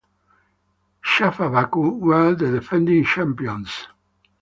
Shafa Baku were the defending champions.